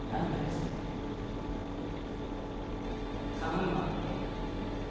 それ「頼むわ」って？